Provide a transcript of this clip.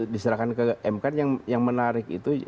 diserahkan ke mk yang menarik itu